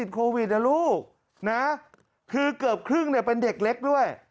โควิดนะลูกนะคือเกือบครึ่งเนี่ยเป็นเด็กเล็กด้วย